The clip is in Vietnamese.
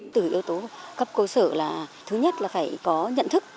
từ yếu tố cấp cố sở là thứ nhất là phải có nhận thức